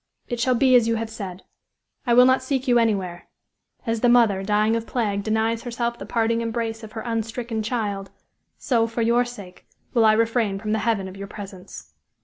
It shall be as you have said. I will not seek you anywhere. As the mother, dying of plague, denies herself the parting embrace of her 'unstricken' child so, for your sake, will I refrain from the heaven of your presence."